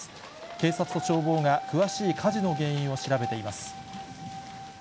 警察と消防が詳しい火事の原因を調べています。